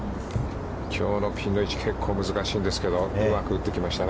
きょうのピンの位置、結構難しいですけれども、うまく打ってきましたね。